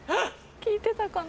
聞いてたかな。